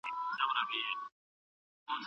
خپله پوهه او معلومات تل له نورو سره شریک کړئ.